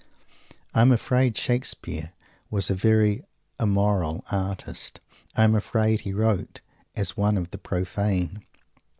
I am afraid Shakespeare was a very "immoral" artist. I am afraid he wrote as one of the profane.